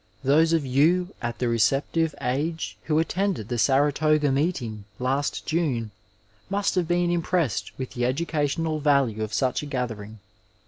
Those of you at the receptive age who attended the Saratoga meeting last June must have been impressed with the educational value of such a gathering.